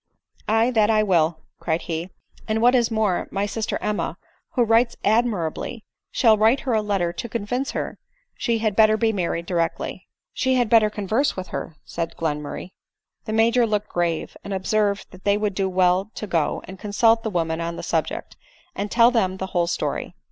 " Aye, that I will," cried he ;" and what is more, my sister Emma, who writes admirably, shall write her a letter to convince her she had better be married directly." " She had better converse with her," said Glenmurray. The Major looked grave, and observed that they would do well to go and consult the women on the subject, and tell them the whole story.